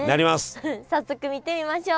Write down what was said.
早速見てみましょう。